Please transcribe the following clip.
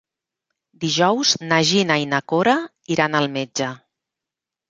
Dijous na Gina i na Cora iran al metge.